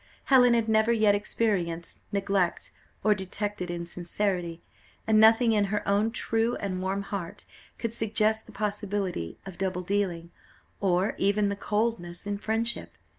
Helen had never yet experienced neglect or detected insincerity, and nothing in her own true and warm heart could suggest the possibility of double dealing, or even of coldness in friendship.